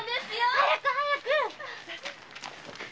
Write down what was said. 早く早く！